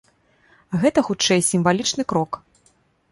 Гэта, хутчэй, сімвалічны крок.